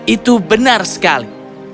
itu benar sekali